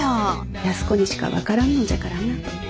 安子にしか分からんのじゃからな。